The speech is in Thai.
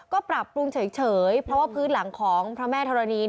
ก็ปรับปรุงเฉยเพราะว่าพื้นหลังของพระแม่ธรณี